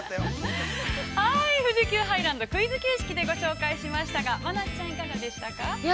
◆富士急ハイランド、クイズ形式でご紹介しましたが、真夏さん、いかがでしたか。